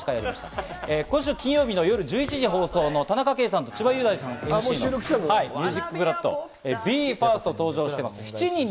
さらに金曜夜１１時放送の田中圭さんと千葉雄大さんＭＣの『ＭＵＳＩＣＢＬＯＯＤ』にＢＥ：ＦＩＲＳＴが登場します。